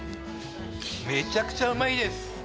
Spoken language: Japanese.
めちゃくちゃうまいです。